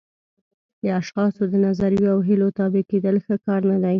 د اشخاصو د نظریو او هیلو تابع کېدل ښه کار نه دی.